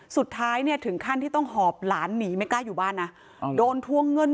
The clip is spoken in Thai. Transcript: สุดท้ายเนี่ยถึงขั้นที่ต้องหอบหลานหนีไม่กล้าอยู่บ้านนะโดนทวงเงิน